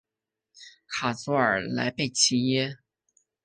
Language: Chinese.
卡祖尔莱贝济耶。